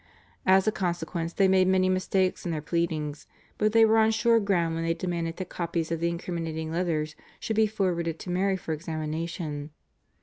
As a consequence they made many mistakes in their pleadings, but they were on sure ground when they demanded that copies of the incriminating letters should be forwarded to Mary for examination.